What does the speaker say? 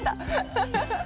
フフフッ。